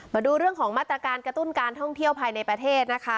มาดูเรื่องของมาตรการกระตุ้นการท่องเที่ยวภายในประเทศนะคะ